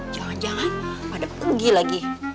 jangan jangan ada pugi lagi